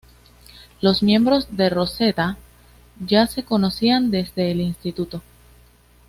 Los miembros de Rosetta ya se conocían desde el instituto.